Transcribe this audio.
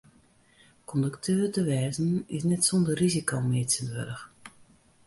Kondukteur te wêzen is net sûnder risiko mear tsjintwurdich.